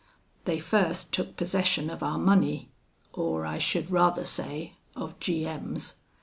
They first took possession of our money, or I should rather say, of G M 's.